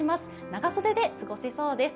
長袖で過ごせそうです。